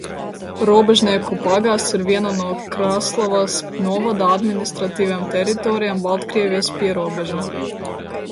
Robežnieku pagasts ir viena no Krāslavas novada administratīvajām teritorijām, Baltkrievijas pierobežā.